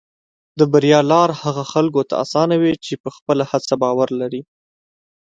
د بریا لار هغه خلکو ته اسانه وي چې په خپله هڅه باور لري.